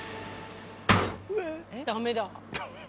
ダメだ。